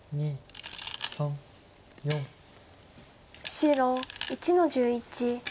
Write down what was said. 白１の十一。